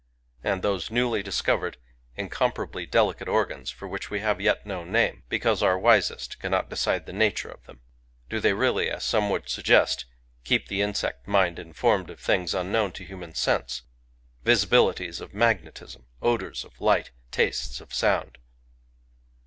And those newly discovered, incomparably delicate organs for which we have yet no name, because our wisest cannot decide the nature of them — do they really, as some would suggest, keep the insect mind in formed of things unknown to human sense, — visi bilities of magnetism, odours of light, tastes of sound?